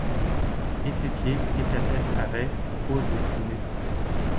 Et ses pieds et sa tête avaient, ô destinées !